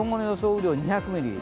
雨量、２００ミリ。